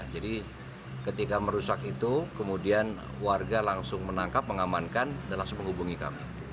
jadi ketika merusak itu kemudian warga langsung menangkap mengamankan dan langsung menghubungi kami